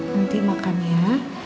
nanti makan ya